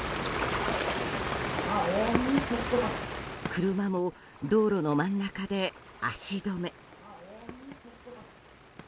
車も道路の真ん中で足止め。